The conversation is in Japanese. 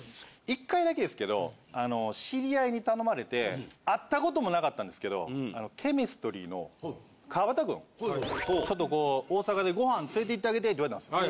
１回だけですけど知り合いに頼まれて会ったこともなかったんですけどＣＨＥＭＩＳＴＲＹの川畑くんちょっとこう大阪でご飯連れて行ってあげてって言われたんです。